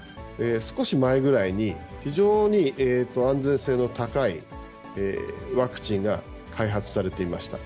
少し前ぐらいに、非常に安全性の高いワクチンが開発されていました。